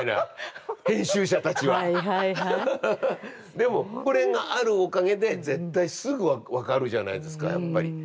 でもこれがあるおかげで絶対すぐ分かるじゃないですか。